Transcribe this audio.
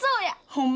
ホンマ？